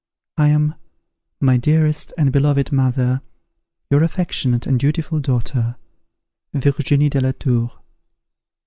I am, "My dearest and beloved mother, "Your affectionate and dutiful daughter, "VIRGINIE DE LA TOUR."